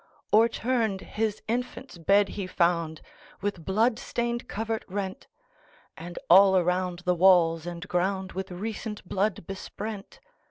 O'erturned his infant's bed he found, With blood stained covert rent; And all around the walls and groundWith recent blood besprent.